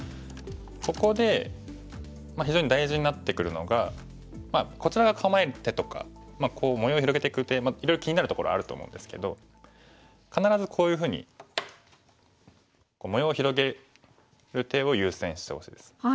ここで非常に大事になってくるのがこちら側構える手とかこう模様を広げていく手いろいろ気になるところあると思うんですけど必ずこういうふうに模様を広げる手を優先してほしいです。